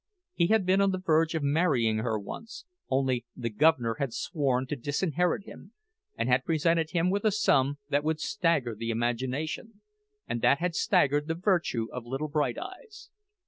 He had been on the verge of marrying her once, only "the guv'ner" had sworn to disinherit him, and had presented him with a sum that would stagger the imagination, and that had staggered the virtue of "Little Bright Eyes."